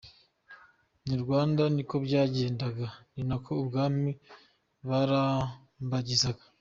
N’i Rwanda ni ko byagendaga, ni ko ibwami barambagizaga.